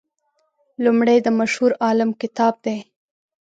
لومړی د مشهور عالم کتاب دی.